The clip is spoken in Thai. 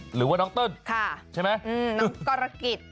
หรือว่าน้องเติ้ลใช่ไหมน้องกรกิจ